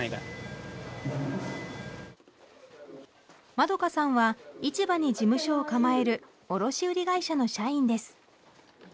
まどかさんは市場に事務所を構える卸売会社の社員です。